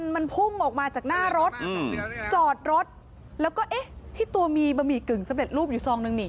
มันพุ่งออกมาจากหน้ารถจอดรถแล้วก็เอ๊ะที่ตัวมีบะหมี่กึ่งสำเร็จรูปอยู่ซองนึงนี่